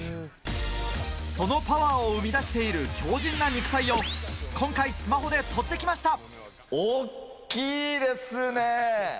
そのパワーを生み出している強靭な肉体を今回、スマホで撮ってきました！